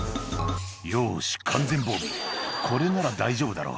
「よし完全防備これなら大丈夫だろう」